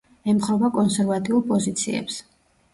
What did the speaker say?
ემხრობა კონსერვატიულ პოზიციებს.